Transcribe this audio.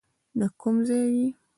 د کوم ځای یې.